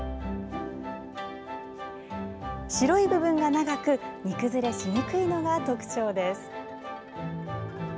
白い部分が長く煮崩れしにくいのが特徴です。